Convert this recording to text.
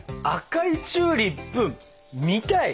赤いチューリップ見たい？